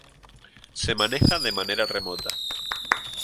Se maneja de manera remota.